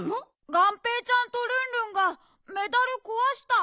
がんぺーちゃんとルンルンがメダルこわした。